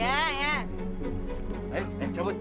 hahaha kita mabuk joy